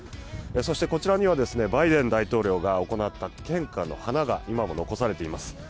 そしてこちらにはバイデン大統領が行った献花の花が今も残されています。